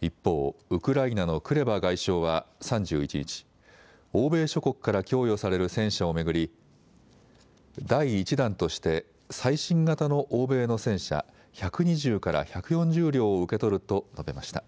一方、ウクライナのクレバ外相は３１日、欧米諸国から供与される戦車を巡り、第１弾として最新型の欧米の戦車１２０から１４０両を受け取ると述べました。